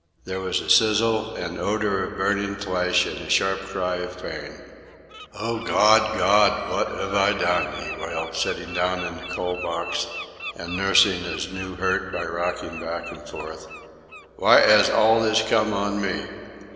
There was a sizzle and odour of burning flesh, and a sharp cry of pain. "Oh, Gawd, Gawd, wot 'ave I done?" he wailed; sitting down in the coal box and nursing his new hurt by rocking back and forth. "W'y 'as all this come on me?